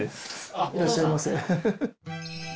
いらっしゃいませ。